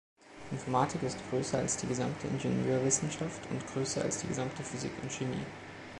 Informatik ist größer als die gesamte Ingenieurwissenschaft und größer als die gesamte Physik und Chemie.